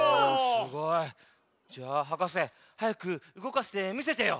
すごい。じゃあはかせはやくうごかしてみせてよ。